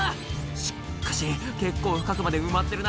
「しっかし結構深くまで埋まってるな」